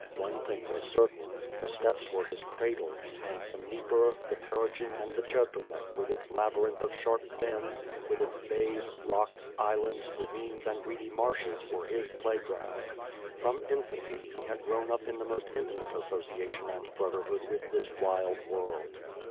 One thing was certain, — ^the steppes were his cradle; and the Dnieper, the Perogen and the ('hertomelik with its labyrinth of sharp bends, with its bays, rocks, islands, ravines, and reedy marshes, were his playground. From infancy he had grown up in the most intimate agsociation and brotherhood with this wild world.